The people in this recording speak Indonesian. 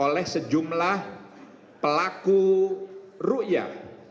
oleh sejumlah pelaku ru'yah